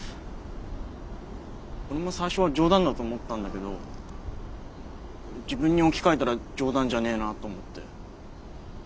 俺も最初は冗談だと思ったんだけど自分に置き換えたら冗談じゃねえなと思って。